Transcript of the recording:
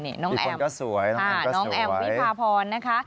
อีกคนก็สวยน้องแอมพี่ภาพรนะคะ